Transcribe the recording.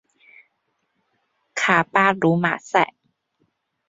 卡巴卢马塞。